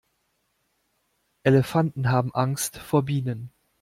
Elefanten haben Angst vor Bienen.